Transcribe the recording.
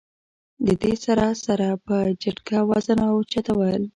د دې سره سره پۀ جټکه وزن را اوچتول